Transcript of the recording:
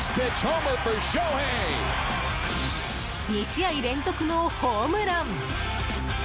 ２試合連続のホームラン。